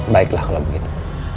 baiklah kalau begitu